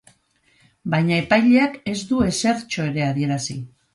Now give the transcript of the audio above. Baina epaileak ez du ezertxo ere adierazi.